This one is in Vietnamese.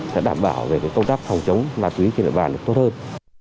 sẽ đảm bảo công tác phòng chống ma túy trên địa bàn tốt hơn